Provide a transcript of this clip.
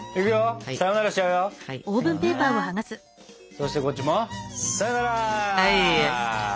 そしてこっちもさよなら！